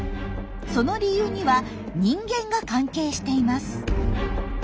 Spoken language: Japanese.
その理由には人間が関係しています。